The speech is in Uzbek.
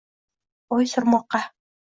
O’y surmoqqa